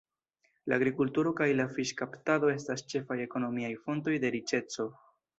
La agrikulturo kaj la fiŝkaptado estas la ĉefaj ekonomiaj fontoj de riĉeco.